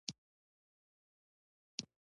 غوړیو پروتینونو او الیافو څخه عبارت دي.